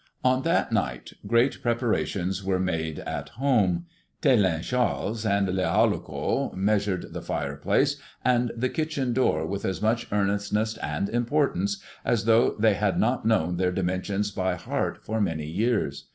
On that night great preparations were made at home. Telin Charles and Le Halloco measured the fireplace and the kitchen door with as much earnestness and importance as though they had not known their dimensions by heart for many years.